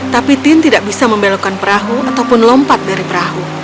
tapi tin tidak bisa membelokkan perahu ataupun lompat dari perahu